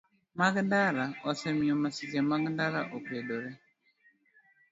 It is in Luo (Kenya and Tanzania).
Mag ndara osemiyo masiche mag ndara okedore.